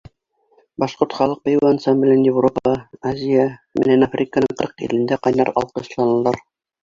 Башҡорт халыҡ бейеү ансамблен Европа, Азия менән Африканың ҡырҡ илендә ҡайнар алҡышланылар.